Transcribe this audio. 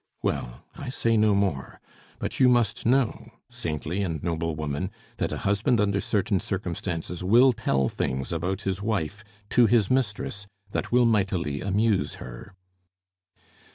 "Well, I say no more. But you must know, saintly and noble woman, that a husband under certain circumstances will tell things about his wife to his mistress that will mightily amuse her."